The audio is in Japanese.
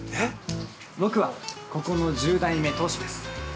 僕はここの１０代目当主です。